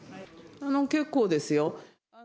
あの、結構ですよ。